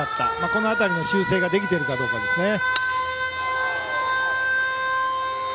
この辺りの修正ができているかどうかですね。